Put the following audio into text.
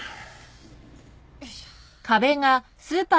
よいしょ。